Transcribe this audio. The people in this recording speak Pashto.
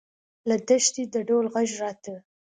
له دښتې د ډول غږ راته.